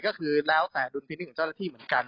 ก็คือแนวแสดงพินิตของเจ้าแลที่เหมือนกัน